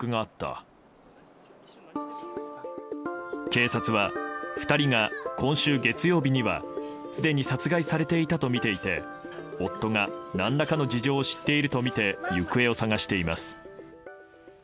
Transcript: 警察は、２人が今週月曜日にはすでに殺害されていたとみていて夫が何らかの事情を知っているとみて行方を捜しています。